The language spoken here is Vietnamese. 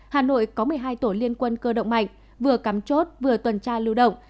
hà nội có một mươi hai tổ liên quân cơ động mạnh vừa cắm chốt vừa tuần tra lưu động